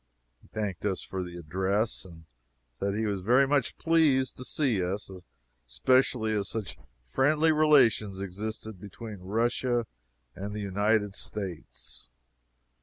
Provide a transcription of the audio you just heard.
He thanked us for the address, and said he was very much pleased to see us, especially as such friendly relations existed between Russia and the United States.